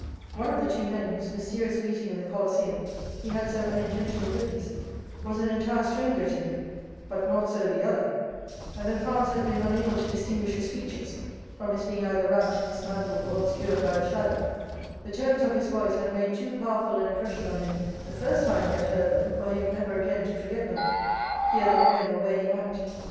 One of the two men, whose mysterious meeting in the Colosseum he had so unintentionally witnessed, was an entire stranger to him, but not so the other; and though Franz had been unable to distinguish his features, from his being either wrapped in his mantle or obscured by the shadow, the tones of his voice had made too powerful an impression on him the first time he had heard them for him ever again to forget them, hear them when or where he might.